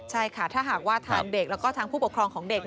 ใช่ค่ะถ้าหากว่าทางเด็กแล้วก็ทางผู้ปกครองของเด็ก